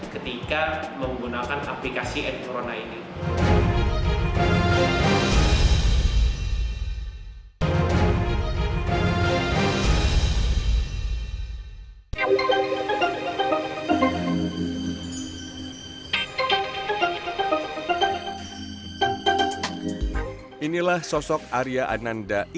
pertama pemerintah dan jajarannya harus berkarya nyata